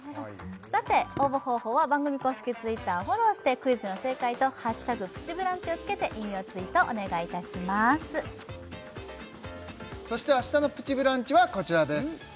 さて応募方法は番組公式Ｔｗｉｔｔｅｒフォローしてクイズの正解と「＃プチブランチ」をつけて引用ツイートお願いいたしますそして明日のプチブランチはこちらです